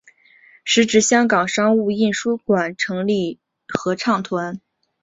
时值香港商务印书馆成立合唱团。